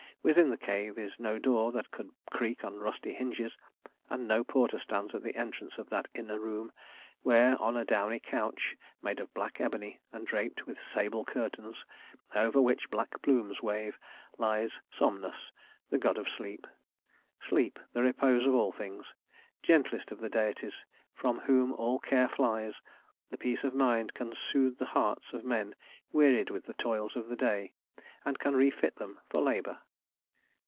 Within the cave is no door that could creak on rusty hinges, and no porter stands at the entrance of that inner room where, on a downy couch made of black ebony and draped with sable curtains, over which black plumes wave, lies Somnus, the god of sleep, Sleep, the repose of all things, gentlest of the deities from whom all care flies, the peace of mind who can sooth the hearts of men wearied with the toils of the day, and can refit them for labor."